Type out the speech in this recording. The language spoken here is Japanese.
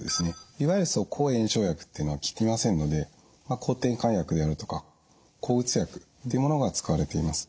いわゆる抗炎症薬っていうのは効きませんので抗てんかん薬であるとか抗うつ薬っていうものが使われています。